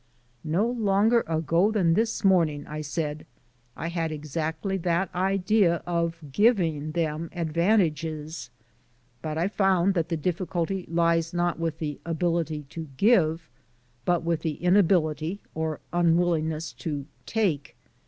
"No longer ago than this morning," I said, "I had exactly that idea of giving them advantages; but I found that the difficulty lies not with the ability to give, but with the inability or unwillingness to take.